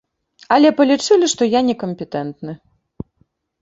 Але палічылі, што я некампетэнтны.